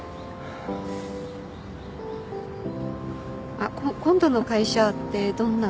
あっ今度の会社ってどんな？